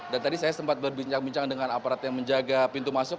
dan tadi saya sempat berbincang bincang dengan aparat yang menjaga pintu masuk